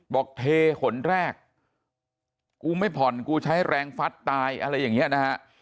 บอกเทหนแรกกูไม่ผ่อนกูใช้แรงฟัดตายอะไรอย่างนี้นะฮะ